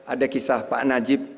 ada kisah pak najib